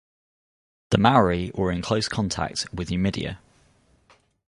The Mauri were in close contact with Numidia.